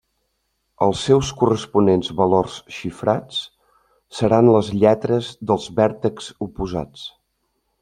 Els seus corresponents valors xifrats seran les lletres dels vèrtexs oposats.